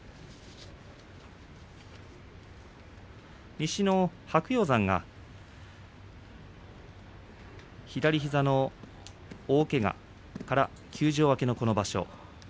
西の白鷹山が左膝の大けがから休場明けのこの場所